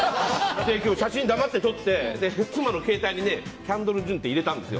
今日、写真を黙って撮って妻の携帯にキャンドル・ジュンって入れたんです。